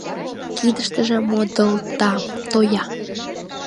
Кидыштыже модылда тоя.